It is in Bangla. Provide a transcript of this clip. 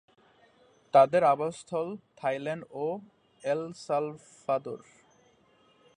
এদের আবাসস্থল থাইল্যান্ড ও এল সালভাদোর।